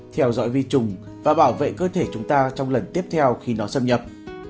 theo dõi vi trùng và bảo vệ cơ thể chúng ta trong lần tiếp theo khi nó xâm nhập